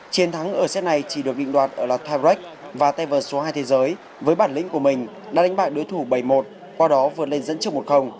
chiến thắng ở séc này chỉ được định đoạt ở là tibrek và tay vợt số hai thế giới với bản lĩnh của mình đã đánh bại đối thủ bảy mươi một qua đó vượt lên dẫn trước một